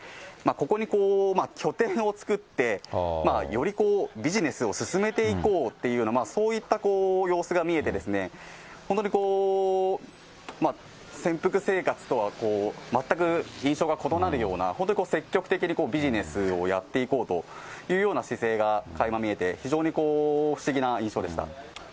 ここに拠点を作って、よりビジネスを進めていこうっていうような、そういった様子が見えて、本当に潜伏生活とは全く印象が異なるような、本当に積極的にビジネスをやっていこうというような姿勢がかいま見えて、非常に不思議な印象でした。